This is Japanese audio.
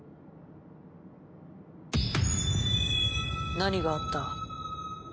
何があった？